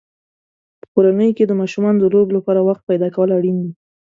په کورنۍ کې د ماشومانو د لوبو لپاره وخت پیدا کول اړین دي.